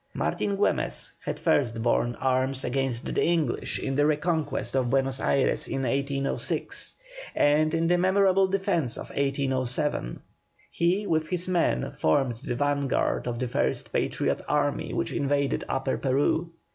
MARTIN GÜEMES had first borne arms against the English in the reconquest of Buenos Ayres in 1806 and in the memorable defence of 1807. He with his men, formed the vanguard of the first Patriot army which invaded Upper Peru.